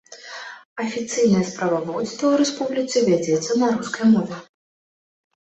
Афіцыйнае справаводства ў рэспубліцы вядзецца на рускай мове.